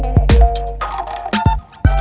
kau mau kemana